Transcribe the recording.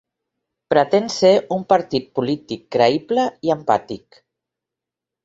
Pretén ser un partit polític creïble i empàtic.